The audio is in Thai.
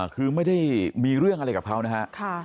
คือไม่ได้มีเรื่องอะไรกับเขานะฮะ